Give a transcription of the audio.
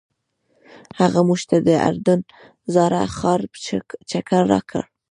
هغه موږ ته د اردن زاړه ښار چکر راکړ.